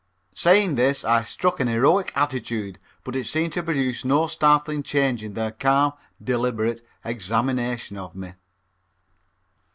'" Saying this, I struck an heroic attitude, but it seemed to produce no startling change in their calm, deliberate examination of me.